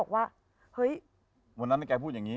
วันนั้นแกพูดอย่างนี้